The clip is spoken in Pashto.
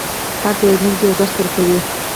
هر پیرودونکی یو درس درکوي.